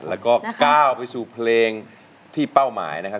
แล้วก็ก้าวไปสู่เพลงที่เป้าหมายนะครับ